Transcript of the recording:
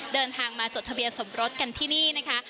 เดินทางมาจดทะเบียนสมรสกันที่นี่นะคะ